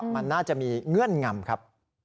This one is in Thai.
มันน่าจะมีเงื่อนงำครับ